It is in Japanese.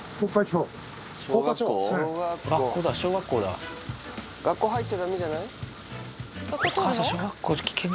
学校入っちゃダメじゃない？